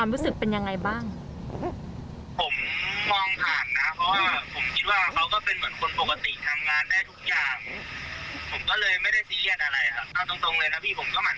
รู้ตั้งแต่ตอนแรกแหละครับ